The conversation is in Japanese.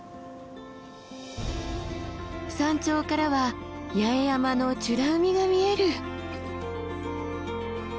山頂からは八重山の美ら海が見える。